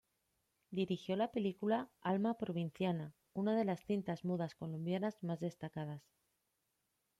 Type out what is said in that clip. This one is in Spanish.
Dirigió la película "Alma provinciana", una de las cintas mudas colombianas más destacadas.